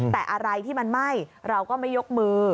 แต่อะไรที่มันไหม้เราก็ไม่ยกมือ